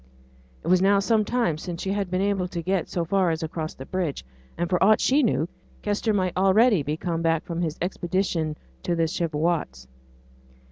It was now some time since she had been able to get so far as across the bridge; and, for aught she knew, Kester might already be come back from his expedition to the Cheviots.